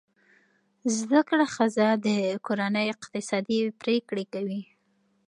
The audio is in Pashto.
زده کړه ښځه د کورنۍ اقتصادي پریکړې کوي.